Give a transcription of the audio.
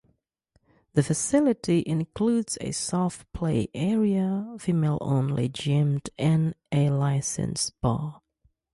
The facility includes a soft play area, female-only gym and a licensed bar.